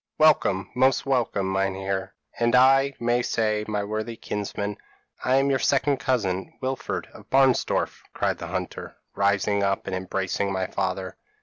Welcome, most welcome, Meinheer, and, I may say, my worthy kinsman. I am your second cousin, Wilfred of Barnsdorf,' cried the hunter, rising up and embracing my father.